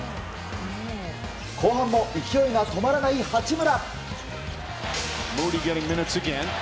後半も勢いが止まらない八村。